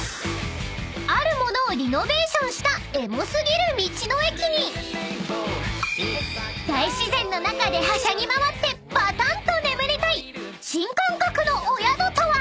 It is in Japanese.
［あるものをリノベーションしたエモ過ぎる道の駅に大自然の中ではしゃぎ回ってバタンと眠りたい新感覚のお宿とは⁉］